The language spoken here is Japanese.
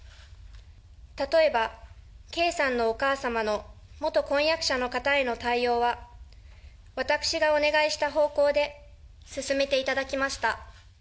例えば、圭さんのお母様の元婚約者の方への対応は、私がお願いした方向で進めていただきました。